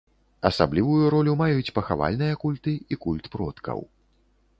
Асаблівую ролю маюць пахавальныя культы і культ продкаў.